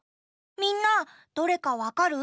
みんなどれかわかる？